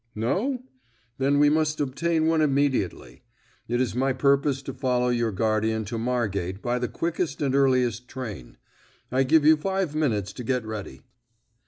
No? Then we must obtain one immediately. It is my purpose to follow your guardian to Margate by the quickest and earliest train. I give you five minutes to get ready."